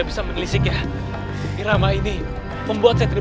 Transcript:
apa yang sebenarnya sedang terjadi